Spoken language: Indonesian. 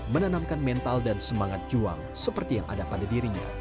menanamkan mental dan semangat juang seperti yang ada pada dirinya